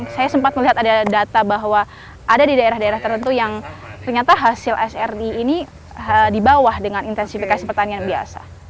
saya sempat melihat ada data bahwa ada di daerah daerah tertentu yang ternyata hasil sri ini di bawah dengan intensifikasi pertanian biasa